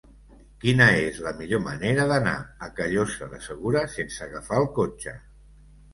Quina és la millor manera d'anar a Callosa de Segura sense agafar el cotxe?